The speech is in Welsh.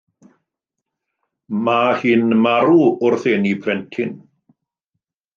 Mae hi'n marw wrth eni plentyn.